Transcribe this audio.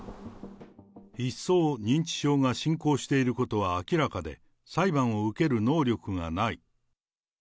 一層、認知症が進行していることは明らかで、裁判を受ける能力がない。